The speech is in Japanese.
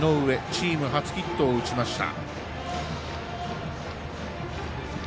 チーム初ヒットを打ちました。